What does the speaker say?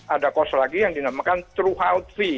ada kos lagi yang dinamakan true health fee